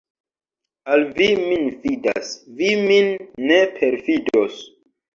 Al vi mi fidas, vi min ne perfidos!